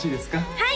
はい！